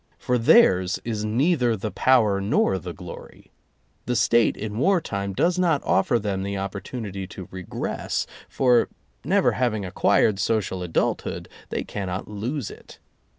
For theirs is neither the power nor the glory. The State in wartime does not offer them the oppor tunity to regress, for, never having acquired social adulthood, they cannot lose it.